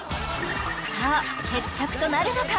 さあ決着となるのか！？